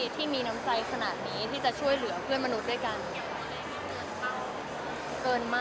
ที่มีน้ำใจขนาดนี้ที่จะช่วยเหลือเพื่อนมนุษย์ด้วยกัน